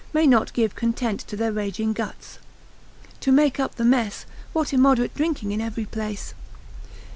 may not give content to their raging guts. To make up the mess, what immoderate drinking in every place?